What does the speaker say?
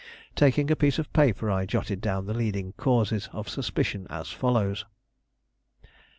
Taking a piece of paper, I jotted down the leading causes of suspicion as follows: 1.